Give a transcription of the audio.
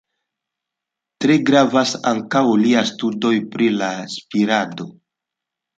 Tre gravas ankaŭ liaj studoj pri la spirado.